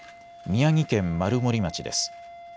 宮城県丸森町です。